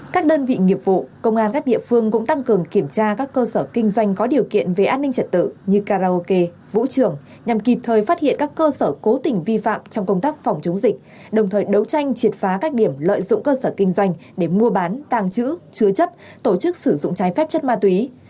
các đơn vị nghiệp vụ công an các địa phương cũng tăng cường kiểm tra các cơ sở kinh doanh có điều kiện về an ninh trật tự như karaoke vũ trường nhằm kịp thời phát hiện các cơ sở cố tình vi phạm trong công tác phòng chống dịch đồng thời đấu tranh triệt phá các điểm lợi dụng cơ sở kinh doanh để mua bán tàng trữ chứa chấp tổ chức sử dụng trái phép chất ma túy